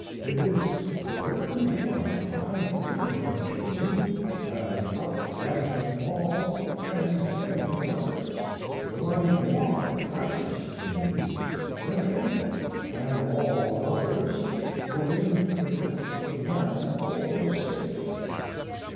It is the very one I would have chosen, as outranking all and any others, the one more precious to me than any and all others within the gift of man or state.